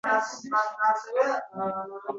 Mohim begim Boburshohni qanday maftun qilgan?